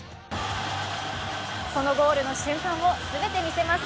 そのゴールの瞬間を全て見せます。